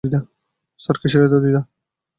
Sir, কীসের এত দ্বিধা?